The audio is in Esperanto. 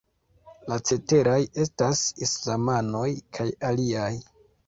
La ceteraj estas Islamanoj kaj aliaj.